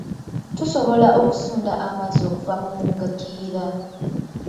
Tusobola okusunda amazzi okuva mu mugga kiyiira.